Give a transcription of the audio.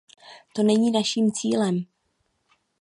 To není naším cílem.